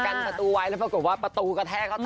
ประตูไว้แล้วปรากฏว่าประตูกระแทกเข้าต่อ